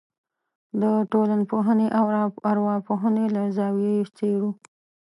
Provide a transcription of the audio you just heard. د ټولنپوهنې او ارواپوهنې له زاویې یې څېړو.